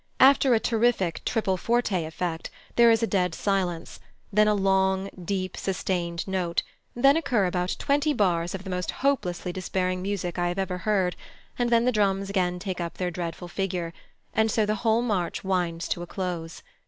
After a terrific triple forte effect, there is a dead silence; then a long, deep, sustained note; then occur about twenty bars of the most hopelessly despairing music I have ever heard, and then the drums again take up their dreadful figure; and so the whole march winds to a close.